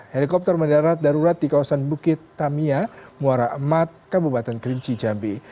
helikopter mendarat darurat di kawasan bukit tamiya muara emat kabupaten kerinci jambi